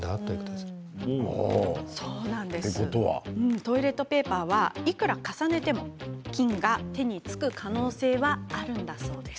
トイレットペーパーをいくら重ねても菌が手につく可能性はあるんだそうです。